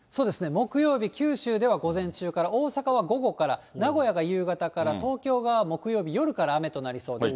木曜日、九州では午前中から、大阪は午後から、名古屋が夕方から、東京が木曜日夜から雨となりそうです。